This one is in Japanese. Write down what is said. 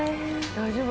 大丈夫？